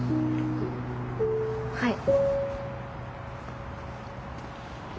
はい。